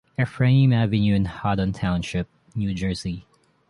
Ephraim Avenue in Haddon Township, New Jersey.